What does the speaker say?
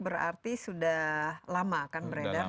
berarti sudah lama akan beredar